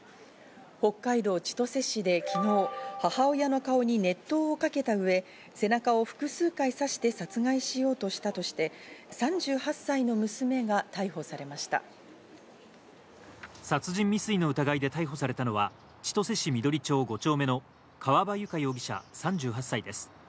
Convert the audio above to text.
北海道千歳市で昨日、母親の顔に熱湯をかけた上、背中を複数回、刺して殺害しようとしたとして、３８歳の娘が逮捕殺人未遂の疑いで逮捕されたのは千歳市緑町５丁目の川場友香容疑者、３８歳です。